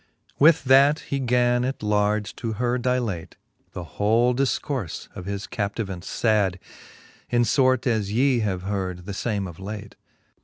With that he gan at large to her dilate The whole difcourfe of his captivance fad, In fort as ye have heard the fame of late.